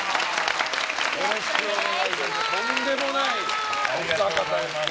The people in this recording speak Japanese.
よろしくお願いします。